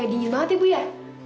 dingin banget ibu ya